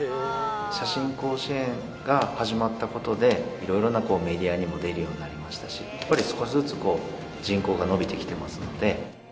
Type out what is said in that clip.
写真甲子園が始まったことで、いろいろなメディアにも出るようになりましたし、やっぱり少しずつこう、人口が伸びてきていますので。